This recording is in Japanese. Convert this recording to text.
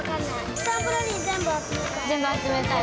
スタンプラリー、全部集めたい。